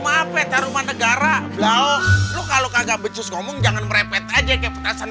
mape terumah negara blog lu kalau kagak becus ngomong jangan merepet aja ke petasan